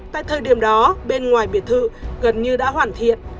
tại thời điểm đó bên ngoài biệt thự gần như đã hoàn thiện